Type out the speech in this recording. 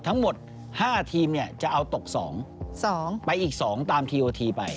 ทั้งหมด๕ทีมเนี่ยจะเอาตก๒๒ไปอีก๒ตามทีโอทีไป